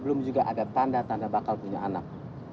belum juga ada tanda tanda bakal punya anak